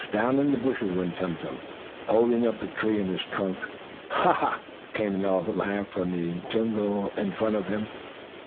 down in the bushes went Tum Tum, holding up the tree in his trunk. "Ha! Ha!" came an elephant laugh from the jungle in front of Tum Tum.